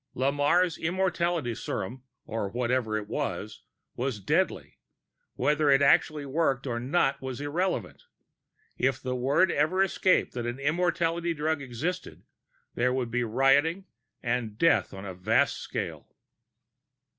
_ Lamarre's immortality serum, or whatever it was, was deadly. Whether it actually worked or not was irrelevant. If word ever escaped that an immortality drug existed, there would be rioting and death on a vast scale.